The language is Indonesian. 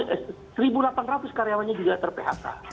tiga dua ratus eh satu delapan ratus karyawannya juga ter phk